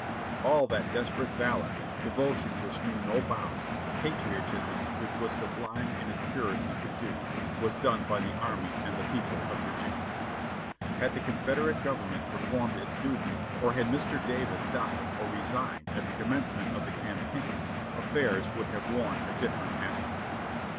All that desperate valor, devotion which knew no bounds, patriotism which was sublime in its purity could do, was done by the army and the people of Virginia. DISASTER AND DEFEAT IX THE VAEEEY 649 Had th^ Confederate Government performed its duty, or had Mr. Davi? died or resigned at the commencement of the cam paign, aff£ rs world have worn a different aspect.